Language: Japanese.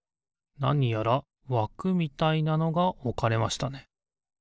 なにやらわくみたいなのがおかれましたね。